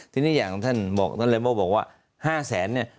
ทีนี้อย่างท่านบอกท่านเรโมบอกว่า๕แสนเนี่ย